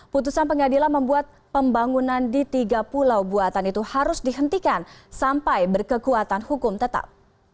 putusan pengadilan membuat pembangunan di tiga pulau buatan itu harus dihentikan sampai berkekuatan hukum tetap